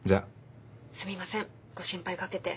すみませんご心配かけて。